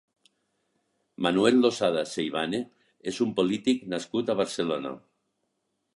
Manuel Losada Seivane és un polític nascut a Barcelona.